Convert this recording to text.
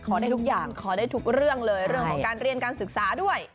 ได้ทุกอย่างขอได้ทุกเรื่องเลยเรื่องของการเรียนการศึกษาด้วย